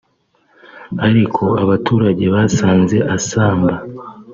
ariko abaturage basanze asamba